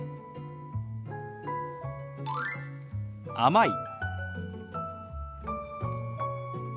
「甘い」。